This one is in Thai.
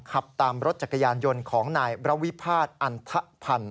ขับตามรถจักรยานยนต์ของนายระวิพาทอันทพันธ์